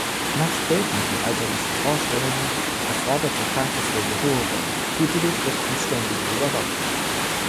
Nach spätmittelalterlichen Vorstellungen erforderte Krankenpflege hohe Räume, gute Lüftung und ständige Überwachung.